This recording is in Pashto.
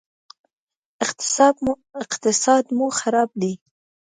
اقتصاد مو خراب دی